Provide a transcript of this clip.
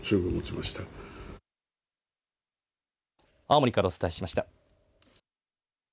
青森からお伝えしました。